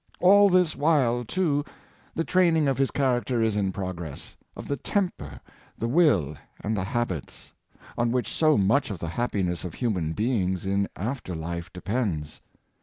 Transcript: All this while, too, the training of his character is in progress — of the temper, the will and the habits — on which so much of the happiness of human beings in after life depends.